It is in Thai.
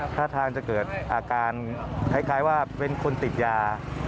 ท่าทางจะเกิดอาการคล้ายว่าเป็นคนติดยา